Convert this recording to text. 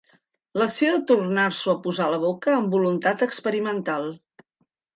L'acció de tornar-s'ho a posar a la boca amb voluntat experimental.